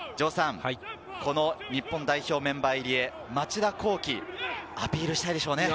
この日本代表メンバー、町田浩樹、アピールしたいでしょうね。